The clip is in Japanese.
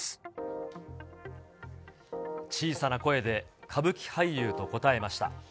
小さな声で、歌舞伎俳優と答えました。